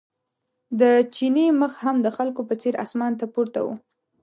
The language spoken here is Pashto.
د چیني مخ هم د خلکو په څېر اسمان ته پورته و.